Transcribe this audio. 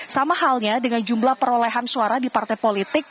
sama halnya dengan jumlah perolehan suara di partai politik